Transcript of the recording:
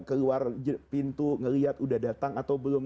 keluar pintu ngelihat udah datang atau belum